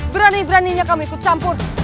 berani beraninya kamu ikut campur